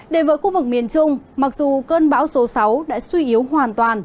đề vợi khu vực miền trung mặc dù cơn bão số sáu đã suy yếu hoàn toàn